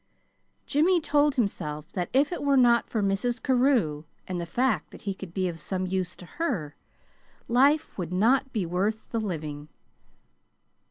Jimmy told himself that if it were not for Mrs. Carew, and the fact that he could be of some use to her, life would not be worth the living.